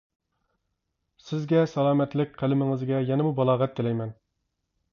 سىزگە سالامەتلىك، قەلىمىڭىزگە يەنىمۇ بالاغەت تىلەيمەن!